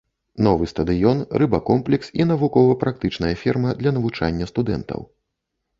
Новы стадыён, рыбакомплекс і навукова-практычная ферма для навучання студэнтаў.